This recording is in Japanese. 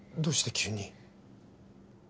どうして急に。